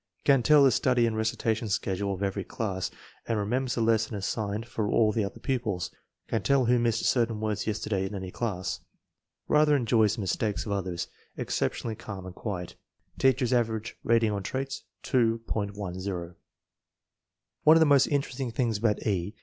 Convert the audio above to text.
Can tell the study and recitation schedule of every class, and remembers the lesson assignment for all the other pupils; can tell who missed certain words yesterday in any class." Rather enjoys the mistakes of others. Exceptionally calm and quiet. Teacher's average rating on traits, 2.10. 198 INTELLIGENCE OP SCHOOL CTTTLDBEN One of the most interesting things about E.